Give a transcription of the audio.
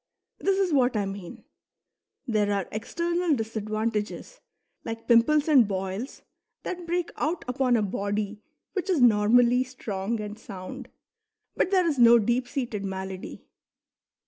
This is what I mean : there are external disadvantages, like pimples and boils that break out upon a body which is normally strong and sound ; but there is no deep seated malady.